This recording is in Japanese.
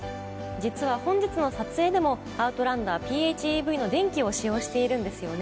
実は本日の撮影でもアウトランダーＰＨＥＶの電気を使用しているんですよね。